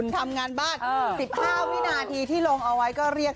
ทำงานรับใช้เมียไปวัน